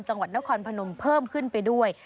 จังหวัดนครพนมเพิ่มขึ้นไปด้วย